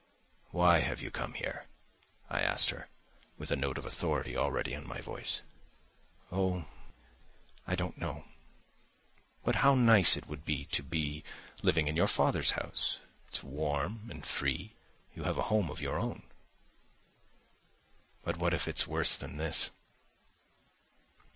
"Why have you come here?" I asked her, with a note of authority already in my voice. "Oh, I don't know." "But how nice it would be to be living in your father's house! It's warm and free; you have a home of your own." "But what if it's worse than this?"